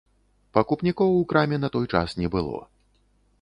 Пакупнікоў у краме на той час не было.